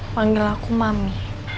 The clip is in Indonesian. panggil aku mami